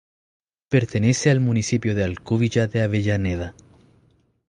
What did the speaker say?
Pertenece al municipio de Alcubilla de Avellaneda.